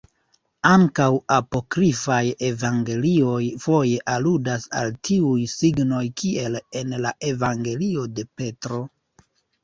Ankaŭ apokrifaj evangelioj foje aludas al tiuj signoj kiel en la evangelio de Petro.